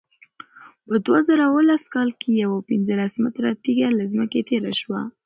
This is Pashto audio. په دوه زره اوولس کال کې یوه پنځلس متره تېږه له ځمکې تېره شوه.